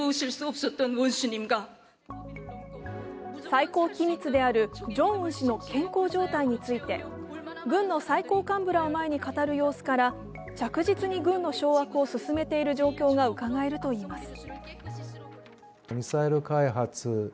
最高機密であるジョンウン氏の健康状態について軍の最高幹部らを前に語る様子から着実に軍の掌握を進めている状況がうかがえるといいます。